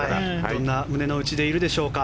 どんな胸の内でいるでしょうか。